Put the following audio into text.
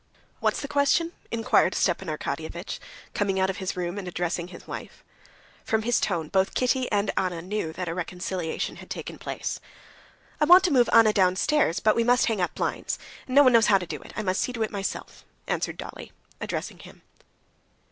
"What's the question?" inquired Stepan Arkadyevitch, coming out of his room and addressing his wife. From his tone both Kitty and Anna knew that a reconciliation had taken place. "I want to move Anna downstairs, but we must hang up blinds. No one knows how to do it; I must see to it myself," answered Dolly addressing him.